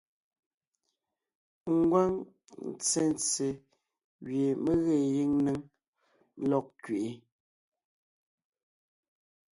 Ngwáŋ ntsentse gẅie mé ge gíŋ néŋ lɔg kẅiʼi,